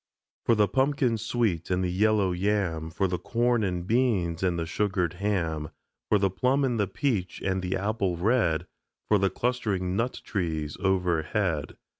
For the pumpkin sweet and the yellow yam, For the corn and beans and the sugared ham, For the plum and the peach and the apple red, For the clustering nut trees overhead.